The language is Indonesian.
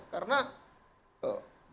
karena dalam pengalaman